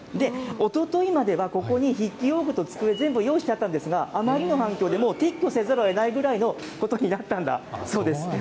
おとといまでは、ここに筆記用具と机、全部用意してあったんですが、あまりの反響にもう撤去せざるをえないぐらいのことになったんだそうです。